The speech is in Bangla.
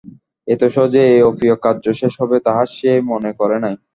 এত সহজে এই অপ্রিয় কার্য শেষ হইবে, তাহা সে মনে করে নাই।